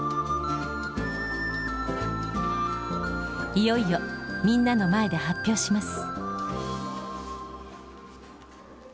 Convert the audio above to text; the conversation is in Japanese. いよいよみんなの前で発表します。